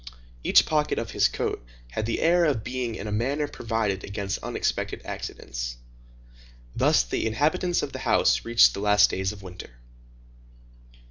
Each pocket of this coat had the air of being in a manner provided against unexpected accidents. Thus the inhabitants of the house reached the last days of winter.